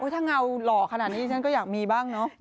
ถ้าเงาหล่อขนาดนี้ฉันก็อยากมีบ้างเนอะ